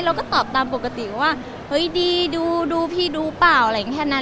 เราก็ตอบตามปกติว่าเฮ้ยดีดูพี่ดูเปล่าอะไรอย่างนี้แค่นั้น